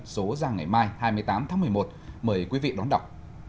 số ra ngày mai hai mươi tám tháng một mươi một mời quý vị đón đọc